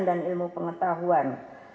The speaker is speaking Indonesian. dan ilmu pengetahuan